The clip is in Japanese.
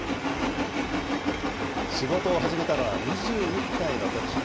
仕事を始めたのは２１歳のとき。